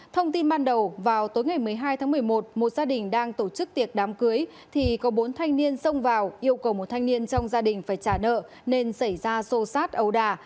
thông tin ban đầu vào tối ngày một mươi hai tháng một mươi một một gia đình đang tổ chức tiệc đám cưới thì có bốn thanh niên xông vào yêu cầu một thanh niên trong gia đình phải trả nợ nên xảy ra xô xát ấu đà